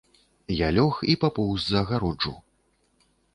Я лёг і папоўз за агароджу.